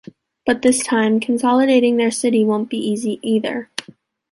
But this time, consolidating their city won’t be easy either.